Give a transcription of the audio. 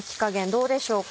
どうでしょうか？